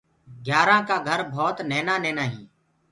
گھيآرآنٚ ڪآ گھر ڀوت نهينآ نهينآ هينٚ۔